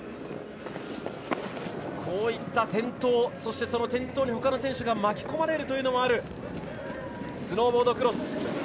こういった転倒、そして転倒にほかの選手が巻き込まれるということもあるスノーボードクロス。